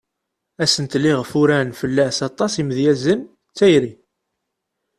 Asentel iɣef uran fell-as aṭas yimedyazen d tayri.